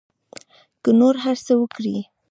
که نور هر څه وکري.